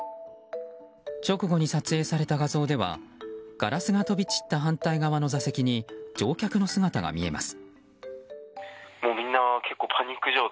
直後に撮影された画像ではガラスが飛び散った反対側の座席に乗客の姿が見えます。